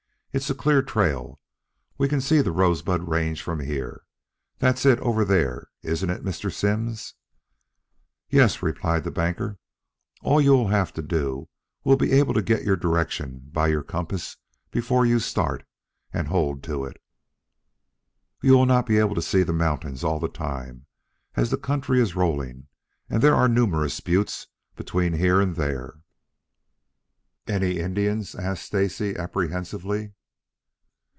"It's a clear trail. We can see the Rosebud Range from here. That's it over there, isn't it, Mr. Simms?" "Yes," replied the banker. "All you will have to do will be to get your direction by your compass before you start, and hold to it. You will not be able to see the mountains all the time, as the country is rolling and there are numerous buttes between here and there." "Any Indians?" asked Stacy apprehensively.